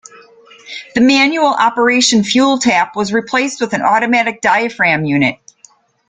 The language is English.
The manual operation fuel tap was replaced with an automatic diaphragm unit.